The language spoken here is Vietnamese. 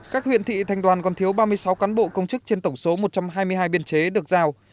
các huyện thị thành đoàn còn thiếu ba mươi sáu cán bộ công chức trên tổng số một trăm hai mươi hai biên chế được giao